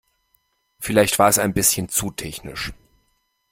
Vielleicht war es ein bisschen zu technisch.